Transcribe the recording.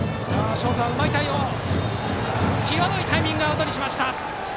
ショートがとって際どいタイミングをアウトにしました！